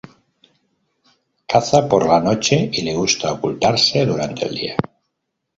Caza por la noche y le gusta ocultarse durante el día.